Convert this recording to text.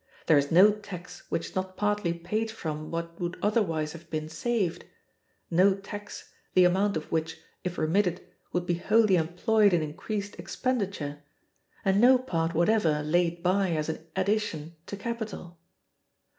There is no tax which is not partly paid from what would otherwise have been saved; no tax, the amount of which, if remitted, would be wholly employed in increased expenditure, and no part whatever laid by as an addition to capital.